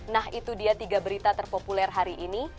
nah itu dia tiga berita terpopuler hari ini